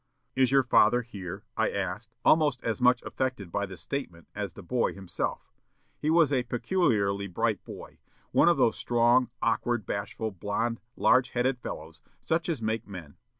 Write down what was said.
"'Is your father here?' I asked, almost as much affected by the statement as the boy himself. He was a peculiarly bright boy, one of those strong, awkward, bashful, blond, large headed fellows, such as make men.